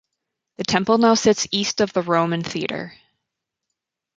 The temple now sits east of the Roman theater.